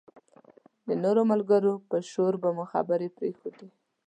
د نورو ملګرو په شور به مو خبرې پرېښودې.